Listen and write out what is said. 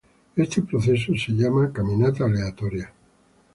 Este proceso es llamado caminata aleatoria.